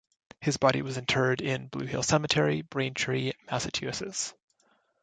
His body was interred in Blue Hill Cemetery, Braintree, Massachusetts.